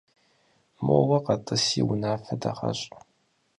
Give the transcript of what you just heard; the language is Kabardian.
Моуэ къэтӏыси унафэ дыгъэщӏ.